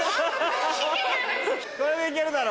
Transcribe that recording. これで行けるだろ。